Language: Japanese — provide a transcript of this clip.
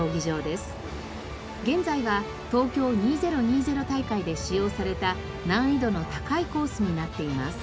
現在は東京２０２０大会で使用された難易度の高いコースになっています。